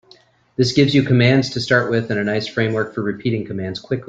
This gives you commands to start with and a nice framework for repeating commands quickly.